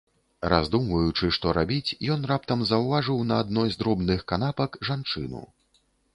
Раздумваючы, што рабіць, ён раптам заўважыў на адной з дробных канапак жанчыну.